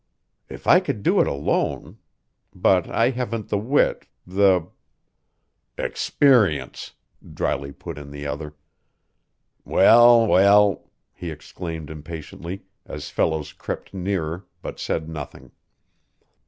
"If I could do it alone but I haven't the wit the " "Experience," dryly put in the other. "Well, well!" he exclaimed impatiently, as Fellows crept nearer, but said nothing.